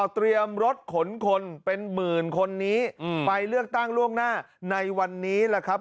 เตรียมรถขนคนเป็นหมื่นคนนี้ไปเลือกตั้งล่วงหน้าในวันนี้แหละครับ